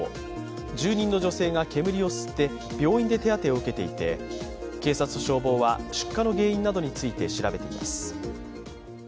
住人の女性が煙を吸って病院で手当てを受けていて、警察と消防は出火の原因などについて調べています。